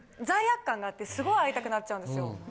罪悪感があってすごい会いたくなっちゃうんですよ。